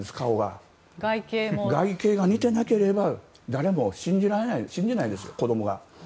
外形が似てなければ誰も信じないです、子供を。